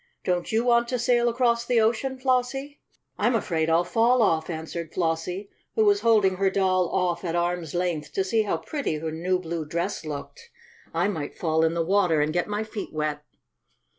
"Don't you want to sail across the ocean, Flossie?" "I'm afraid I'll fall off!" answered Flossie, who was holding her doll off at arm's length to see how pretty her new blue dress looked. "I might fall in the water and get my feet wet."